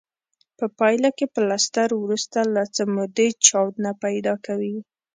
په پایله کې پلستر وروسته له څه مودې چاود نه پیدا کوي.